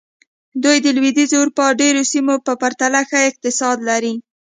دوی د لوېدیځې اروپا ډېرو سیمو په پرتله ښه اقتصاد لري.